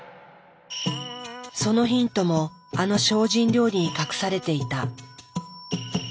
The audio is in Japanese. そのヒントもあの精進料理に隠されていた。